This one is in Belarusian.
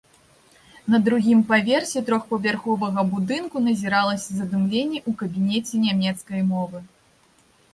На другім паверсе трохпавярховага будынку назіралася задымленне ў кабінеце нямецкай мовы.